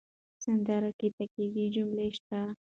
په سندره کې تاکېدي جملې شته.